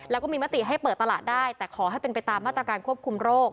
แล้วก็มีมติให้เปิดตลาดได้แต่ขอให้เป็นไปตามมาตรการควบคุมโรค